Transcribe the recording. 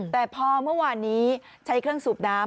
แต่พอเมื่อวานนี้ใช้เครื่องสูบน้ำ